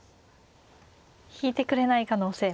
引いてくれない可能性も。